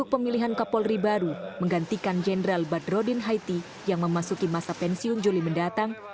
pemilihan kapolri baru menggantikan jenderal badrodin haiti yang memasuki masa pensiun juli mendatang